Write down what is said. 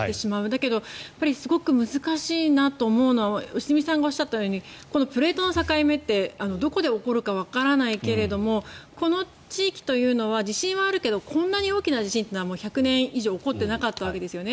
だけどすごく難しいなと思うのは良純さんがおっしゃったようにプレートの境目ってどこで起こるかわからないけれどもこの地域というのは地震はあるけどこんなに大きな地震というのは１００年以上起こってなかったわけですよね。